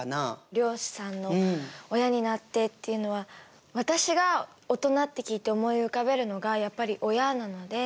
漁師さんの「親になって」っていうのは私がオトナって聞いて思い浮かべるのがやっぱり親なので。